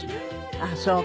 ああそうか。